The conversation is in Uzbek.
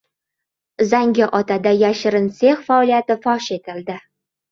Zangiotada yashirin sex faoliyati fosh etildi